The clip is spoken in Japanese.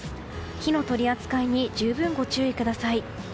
火の取り扱いに十分ご注意ください。